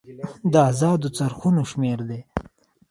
د ازادو څرخونو شمیر دی.